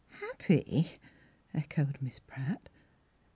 " "Happy?" echoed Miss Pratt.